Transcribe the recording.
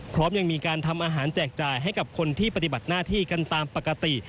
พร้อมยังมีการทำอาหารแจกจ่ายให้กับคนที่ปฏิบัติหน้าที่กันตามปกติ